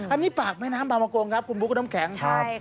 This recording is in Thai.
อันนี้ปากแม่น้ำบางมะกงครับคุณบุ๊คคุณน้ำแข็งครับ